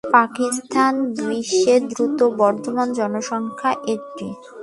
পাকিস্তান বিশ্বের দ্রুত বর্ধমান জনসংখ্যার একটি।